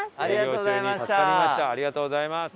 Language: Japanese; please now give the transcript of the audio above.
ありがとうございます。